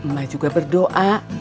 mak juga berdoa